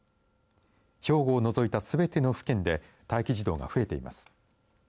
兵庫を除いたすべての府県で待機児童が増えています。